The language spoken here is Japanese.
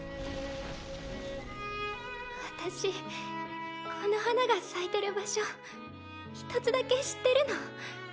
私この花が咲いてる場所一つだけ知ってるの。